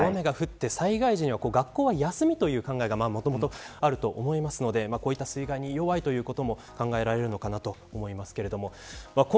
大雨が降って災害時には学校は休みという考えがもともとあると思いますので水害に弱いということも考えられるのかなと思いますけれども。